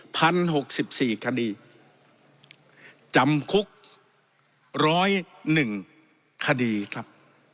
หกสิบสี่คดีจำคุกร้อยหนึ่งคดีครับ